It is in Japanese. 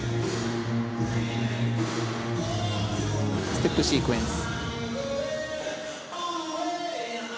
ステップシークエンス。